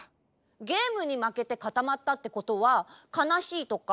ゲームにまけてかたまったってことはかなしいとか？